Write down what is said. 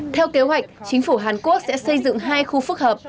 theo kế hoạch chính phủ hàn quốc sẽ xây dựng hai khu phức hợp